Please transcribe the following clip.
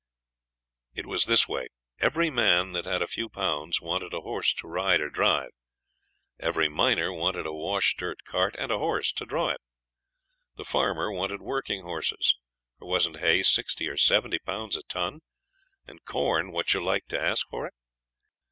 It was this way. Every man that had a few pounds wanted a horse to ride or drive; every miner wanted a wash dirt cart and a horse to draw it. The farmer wanted working horses, for wasn't hay sixty or seventy pounds a ton, and corn what you liked to ask for it?